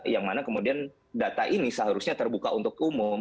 yang mana kemudian data ini seharusnya terbuka untuk umum